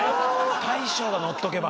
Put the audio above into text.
大昇が乗っとけば。